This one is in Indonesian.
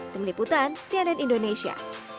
demi liputan cnn indonesia